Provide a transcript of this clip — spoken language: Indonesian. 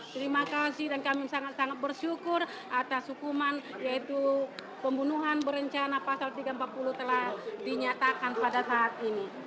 terima kasih dan kami sangat sangat bersyukur atas hukuman yaitu pembunuhan berencana pasal tiga ratus empat puluh telah dinyatakan pada saat ini